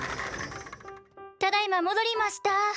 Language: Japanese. ただいまもどりました。